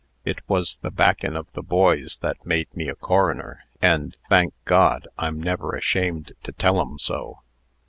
It wos the backin' of the boys that made me a coroner; and, thank God! I'm never ashamed to tell 'em so."